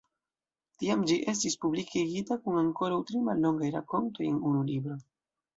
Tiam ĝi estis publikigita kun ankoraŭ tri mallongaj rakontoj en unu libro.